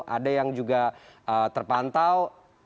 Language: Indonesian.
ada yang juga terpantau